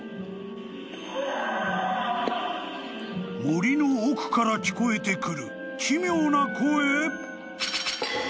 ・・［森の奥から聞こえてくる奇妙な声？］